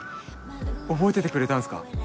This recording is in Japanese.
覚えててくれたんすか？